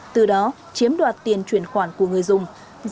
từ đó chiếm đoạt tiền chuyển khoản của người dùng